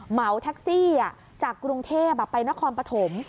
เหมาแท็กซี่จากกรุงเทพไปนครปฐม